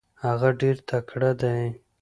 هغه ډیر تکړه دی.